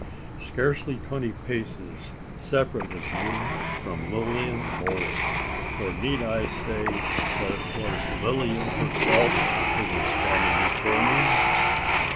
Scarcely twenty paces separated me from Lilian Holt: for need I say that it was Lilian herself who was standing before me?